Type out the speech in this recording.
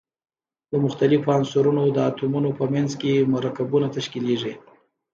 د مختلفو عنصرونو د اتومونو په منځ کې مرکبونه تشکیلیږي.